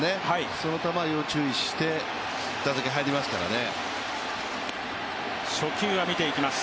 その球、要注意して打席に入りますからね。